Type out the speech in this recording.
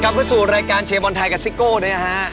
เข้าสู่รายการเชียร์บอลไทยกับซิโก้ด้วยนะฮะ